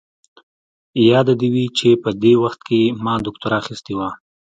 ياده دې وي چې په دې وخت کې ما دوکتورا اخيستې وه.